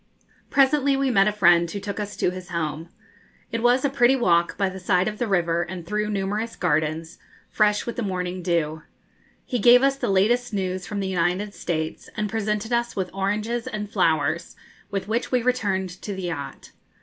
Presently we met a friend who took us to his home. It was a pretty walk, by the side of the river and through numerous gardens, fresh with the morning dew. He gave us the latest news from the United States, and presented us with oranges and flowers, with which we returned to the yacht.